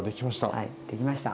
はいできました。